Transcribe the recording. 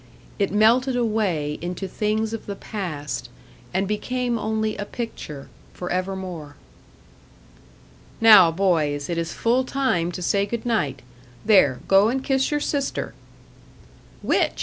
It melted away into things of the past, and became only a picture, for evermore. "Now, boys it is full time to say good night. There, go and kiss your sister." "Which?"